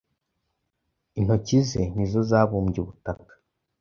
Intoki ze ni zo zabumbye ubutaka.